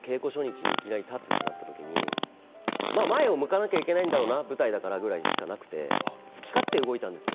稽古初日にいきなり立つという時に前を向かなければいけないんだろうな舞台だからということしかなくて好き勝手動いたんです。